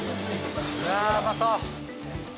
うわうまそう！